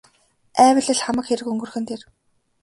Айвал л хамаг хэрэг өнгөрөх нь тэр.